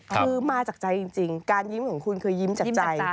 คือมาจากใจจริงการยิ้มของคุณคือยิ้มจากใจ